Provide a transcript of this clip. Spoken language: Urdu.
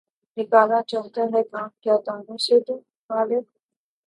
نکالا چاہتا ہے کام کیا طعنوں سے تو؟ غالبؔ!